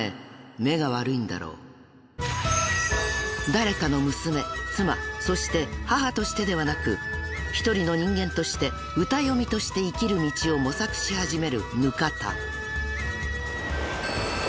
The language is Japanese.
［誰かの娘妻そして母としてではなく一人の人間として歌詠みとして生きる道を模索し始める額田］